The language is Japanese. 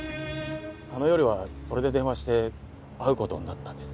あの夜はそれで電話して会う事になったんです。